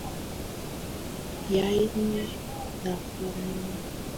Wayne wanafanyaje basi tufanye muziki ambao tutakopi muziki wa nyumbani Nadhani ni muda sasa